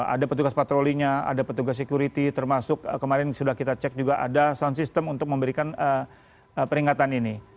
ada petugas patrolinya ada petugas security termasuk kemarin sudah kita cek juga ada sound system untuk memberikan peringatan ini